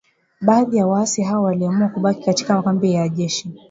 Baadhi ya waasi hao waliamua kubaki katika kambi ya jeshi